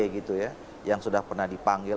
gitu ya yang sudah pernah dipanggil